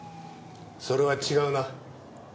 それは違うな。